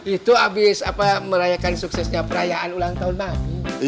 itu abis merayakan suksesnya perayaan ulang tahun mami